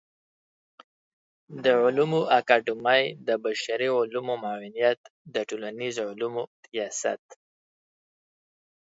د علومو اکاډمۍ د بشري علومو معاونيت د ټولنيزو علومو ریاست